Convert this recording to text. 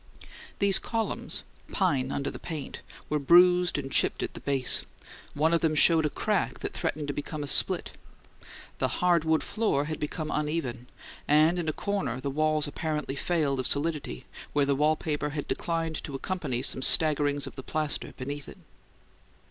These columns, pine under the paint, were bruised and chipped at the base; one of them showed a crack that threatened to become a split; the "hard wood" floor had become uneven; and in a corner the walls apparently failed of solidity, where the wall paper had declined to accompany some staggerings of the plaster beneath it.